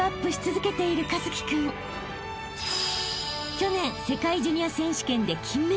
［去年世界ジュニア選手権で金メダル］